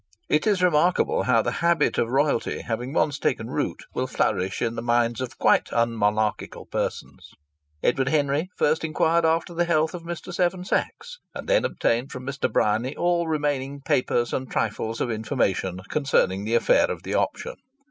It is remarkable how the habit of royalty, having once taken root, will flourish in the minds of quite unmonarchical persons. Edward Henry first inquired after the health of Mr. Seven Sachs, and then obtained from Mr. Bryany all remaining papers and trifles of information concerning the affair of the option.